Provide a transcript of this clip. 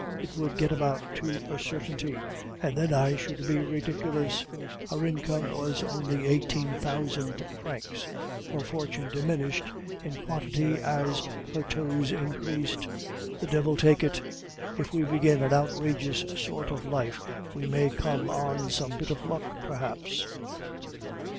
It would get about to a certainty, and then I should be ridiculous. Her income was only eighteen thousand francs; her fortune diminished in quantity as her toes increased. The devil take it; if we begin an outrageous sort of life, we may come on some bit of luck, perhaps!